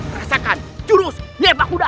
rasakan jurus lepak kuda